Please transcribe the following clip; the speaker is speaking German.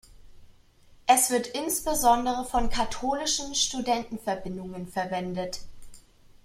Es wird insbesondere von katholischen Studentenverbindungen verwendet.